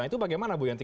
itu bagaimana bu yanti